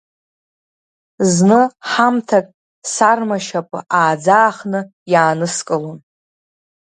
Зны, ҳамҭак сарма шьапы ааӡаахны иааныскылон.